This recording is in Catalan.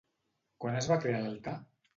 Quan es va crear l'altar?